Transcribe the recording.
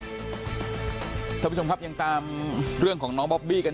คุณผู้ชมครับยังตามเรื่องของน้องบอบบี้กัน